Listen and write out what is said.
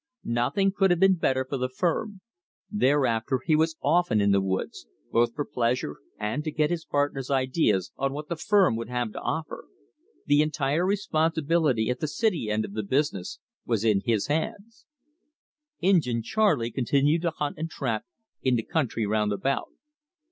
Nothing could have been better for the firm. Thereafter he was often in the woods, both for pleasure and to get his partner's ideas on what the firm would have to offer. The entire responsibility at the city end of the business was in his hands. Injin Charley continued to hunt and trap in the country round about.